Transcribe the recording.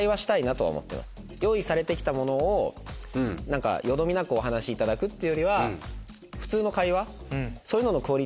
用意されてきたものをよどみなくお話しいただくっていうよりは普通の会話。